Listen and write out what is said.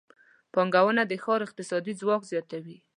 پانګونه د ښار اقتصادي ځواک زیاتوي.